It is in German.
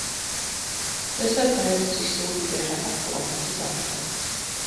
Deshalb verhält es sich so, wie der Herr Abgeordnete sagte.